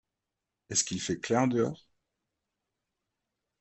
Est-ce qu'il fait clair dehors ?